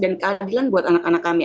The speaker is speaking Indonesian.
dan keadilan buat anak anak kami